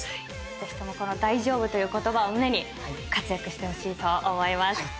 ぜひともこの「大丈夫」という言葉を胸に活躍してほしいと思います。